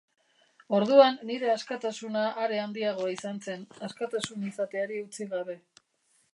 Orduan nire askatasuna are handiagoa izan zen, askatasun izateari utzi gabe.